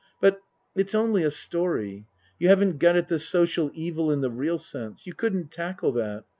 But it's only a story. You haven't got at the social evil in the real sense. You couldn't tackle that.